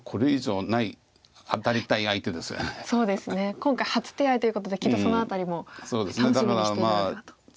今回初手合ということできっとそのあたりも楽しみにしてるんではと。